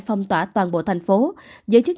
phong tỏa toàn bộ thành phố giới chức